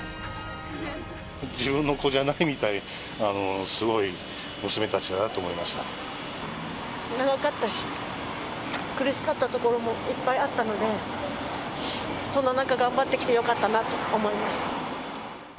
自分の子じゃないみたい、長かったし、苦しかったところもいっぱいあったので、そんな中、頑張ってきてよかったなと思います。